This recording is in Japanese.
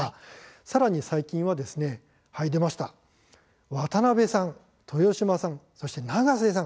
さらに最近は渡辺さん、豊島さん、そして永瀬さん